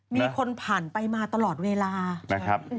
มีคนผ่านไปมาตลอดเวลานะครับ